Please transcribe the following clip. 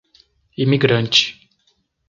Imigrante